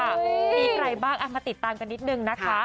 มีใครบ้างมาติดตามกันนิดนึงนะคะ